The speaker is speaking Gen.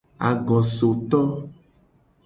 Agosoto.